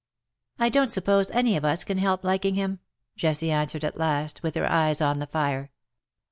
"1 don^t suppose any of us can help liking him,'^ Jessie answered at last, with her eyes on the fire.